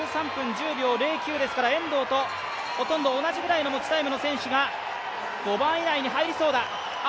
１３分１９秒０３ですから遠藤とほとんど同じくらいの持ちタイムの選手が５番以内に入りそうだ。